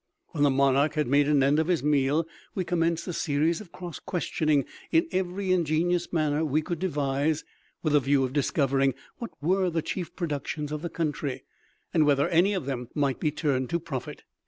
When the monarch had made an end of his meal, we commenced a series of cross questioning in every ingenious manner we could devise, with a view of discovering what were the chief productions of the country, and whether any of them might be turned to profit.